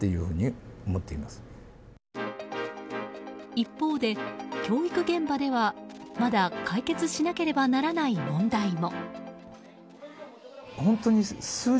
一方で、教育現場ではまだ解決しなければならない問題も。